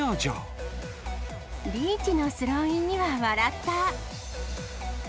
リーチのスローインには笑った！